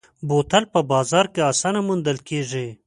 بوتل په بازار کې اسانه موندل کېږي.